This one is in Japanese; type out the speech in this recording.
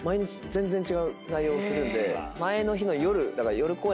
全然違う内容をするんで。